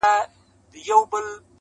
د خپل بابا پر مېنه چلوي د مرګ باړونه-